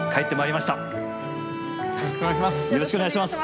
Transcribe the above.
よろしくお願いします。